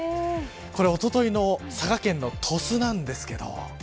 これ、おとといの佐賀県の鳥栖なんですけど。